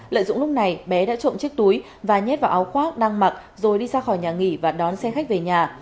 lợi dụng lúc này bé đã trộm chiếc túi và nhét vào áo khoác đang mặc rồi đi ra khỏi nhà nghỉ và đón xe khách về nhà